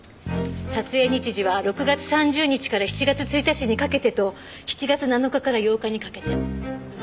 撮影日時は６月３０日から７月１日にかけてと７月７日から８日にかけて。